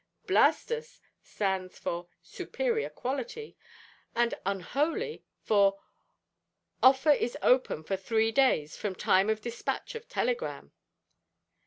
`_Blastus_' stands for `_superior quality_,' and `_unholy_' for `_Offer is open for three days from time of despatch of telegram_.'